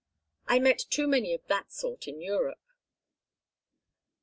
I met too many of that sort in Europe."